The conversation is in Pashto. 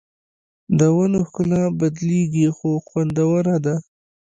د ونو ښکلا بدلېږي خو خوندوره ده